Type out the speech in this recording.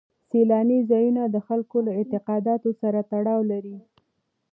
سیلاني ځایونه د خلکو له اعتقاداتو سره تړاو لري.